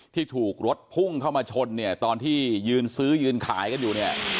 ที่ถูกรถพุ่งเข้ามาชนตอนที่ยืนซื้อยืนขายกันอยู่